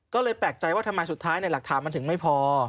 ก็เลยแปลกใจว่าทำไมสุดท้ายในหลักฐานมันถึงไม่พอ